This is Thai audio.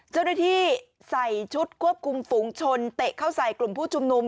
เจ้าหน้าที่ใส่ชุดควบคุมฝูงชนเตะเข้าใส่กลุ่มผู้ชุมนุม